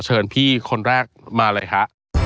เชิญพี่คนแรกมาเลยฮะ